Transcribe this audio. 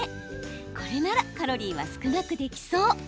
これならカロリーは少なくなくできそう。